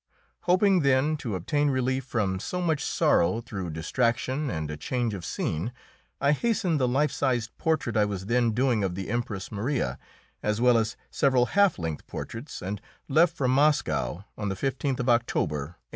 Hoping, then, to obtain relief from so much sorrow through distraction and a change of scene, I hastened the life sized portrait I was then doing of the Empress Maria, as well as several half length portraits, and left for Moscow on the 15th of October, 1800.